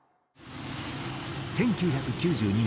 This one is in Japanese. １９９２年。